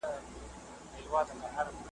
نه غازي نه څوک شهید وي نه جنډۍ پکښي کتار کې `